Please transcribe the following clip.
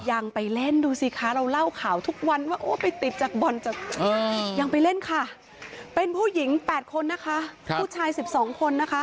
ยังไปเล่นดูสิคะเราเล่าข่าวทุกวันว่าโอ๊ยไปติดจากบ่อนจาก